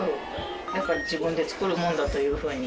だから自分で作るもんだというふうに。